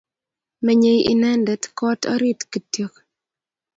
Menyei inendet kot orit kityo